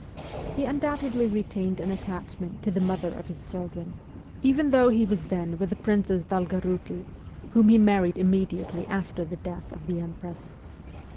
He undoubtedly retained an attachment to the WESTERN EUROPE 241 mother of his children, even though he was then with the Princess Dolgoriiki, whom he married immediately after the death of the Empress.